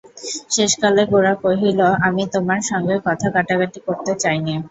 শেষকালে গোরা কহিল, আমি তোমার সঙ্গে কথা-কাটাকাটি করতে চাই নে।